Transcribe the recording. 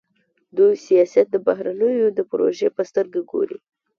دوی سیاست د بهرنیو د پروژې په سترګه ګوري.